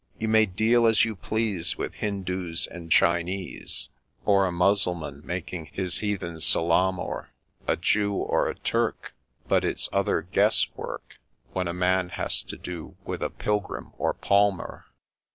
You may deal as you please with Hindoos and Chinese, Or a Mussulman making his heathen salaam, or A Jew or a Turk, but it 's other guess work When a man has to do with a Pilgrim or Palmer.